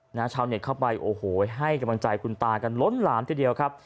ชาวเน็ตเข้าไปโอ้โหให้กำลังใจคุณตากันล้นหลามทีเดียวครับ